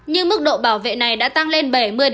nhưng mức độ bảo vệ này đã tăng lên